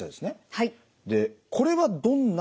はい。